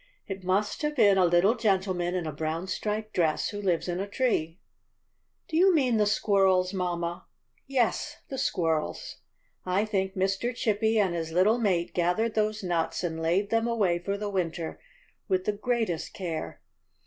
"It must have been a little gentleman in a brown striped dress who lives in a tree." "Do you mean the squirrels, mamma?" "Yes, the squirrels. I think Mr. Chippy and his little mate gathered those nuts and laid them away for the winter with the great est care.